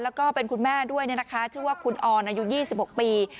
แล้วก็เป็นคุณแม่ด้วยชื่อว่าคุณออนอายุ๒๖ปี